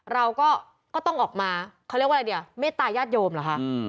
เราก็ต้องออกมาเขาเรียกว่าอะไรดีอ่ะเมตตายาดโยมเหรอคะ